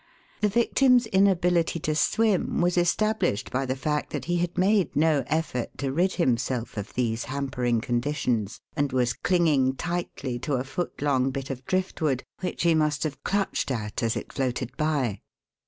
The victim's inability to swim was established by the fact that he had made no effort to rid himself of these hampering conditions, and was clinging tightly to a foot long bit of driftwood, which he must have clutched at as it floated by.